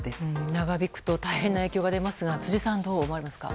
長引くと大変な影響が出ますが辻さんどう思われますか。